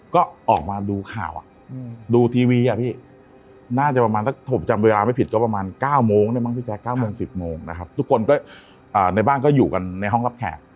ก็ออกมาดูข่าวดูทีวีน่าจะประมาณ๙โมง๑๐โมงทุกคนในบ้านก็อยู่กันในห้องรับแขก